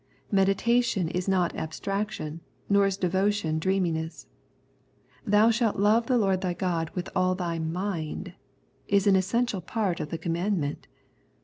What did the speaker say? Meditation is not abstraction, nor is devotion dreaminess. " Thou shalt love the Lord thy God with all thy mind " is an essential part of the commandment.